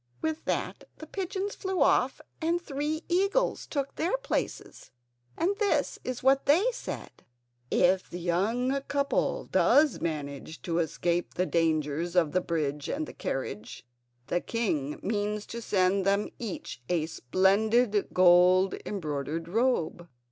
With that the pigeons flew off and three eagles took their places, and this is what they said: "If the young couple does manage to escape the dangers of the bridge and the carriage, the king means to send them each a splendid gold embroidered robe.